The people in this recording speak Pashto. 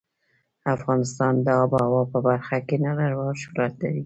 افغانستان د آب وهوا په برخه کې نړیوال شهرت لري.